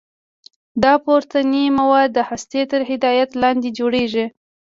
دا پروتیني مواد د هستې تر هدایت لاندې جوړیږي.